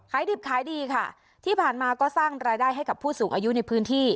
ดิบขายดีค่ะที่ผ่านมาก็สร้างรายได้ให้กับผู้สูงอายุในพื้นที่